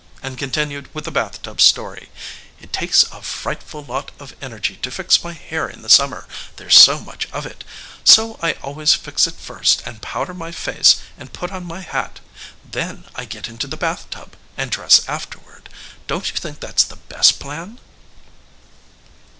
and continued with the bathtub story "It takes a frightful lot of energy to fix my hair in the summer there's so much of it so I always fix it first and powder my face and put on my hat; then I get into the bathtub, and dress afterward. Don't you think that's the best plan?"